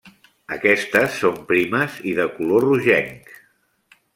Aquestes són primes i de color rogenc.